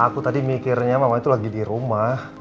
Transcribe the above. aku tadi mikirnya mama itu lagi di rumah